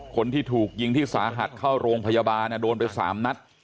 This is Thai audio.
คนที่ถูกยิงที่สาหัสเข้าโรงพยาบาลโดนไป๓นัด